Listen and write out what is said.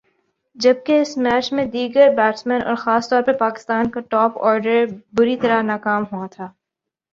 جبکہ اس میچ میں دیگر بیٹسمین اور خاص طور پر پاکستان کا ٹاپ آرڈر بری طرح ناکام ہوا تھا ۔